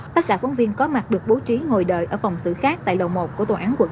tất cả phóng viên có mặt được bố trí ngồi đợi ở phòng xử khác tại lầu một của tòa án quận tám